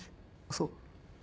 そう。